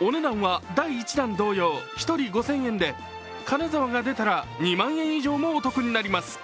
お値段は第１弾同様、１人５０００円で金沢が出たら２万円以上もお得になります。